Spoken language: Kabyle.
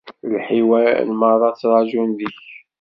Lḥiwan-a merra ttraǧun deg-k.